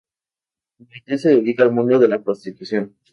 Mayte se dedica al mundo de la prostitución.